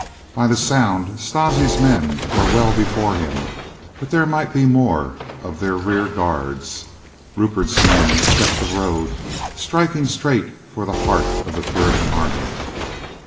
By the sound Strozzi's men were well be fore him, but there might be more of their rear guards. Rupert's men kept the road, striking straight for the heart of the Puritan army.